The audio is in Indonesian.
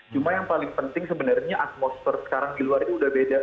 cuma yang paling penting sebenarnya atmosfer sekarang di luar itu udah beda